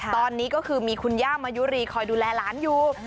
ตอนนี้ก็คือมีคุณย่ามายุรีคอยดูแลหลานอยู่